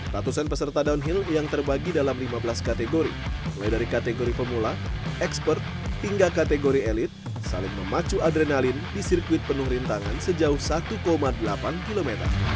ratusan peserta downhill yang terbagi dalam lima belas kategori mulai dari kategori pemula expert hingga kategori elit saling memacu adrenalin di sirkuit penuh rintangan sejauh satu delapan km